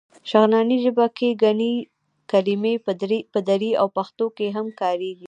شغناني ژبه کې ګڼې کلمې په دري او پښتو کې هم کارېږي.